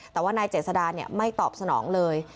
แต่ว่านายเจษดาไม่ตอบสนองเลย